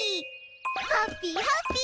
ハッピーハッピー！